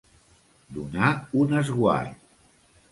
Donar un esguard.